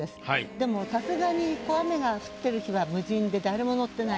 でもさすがにこう雨が降ってる日は無人で誰も乗ってない。